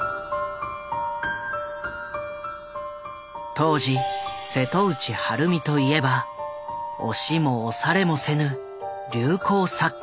当時瀬戸内晴美といえば押しも押されもせぬ流行作家。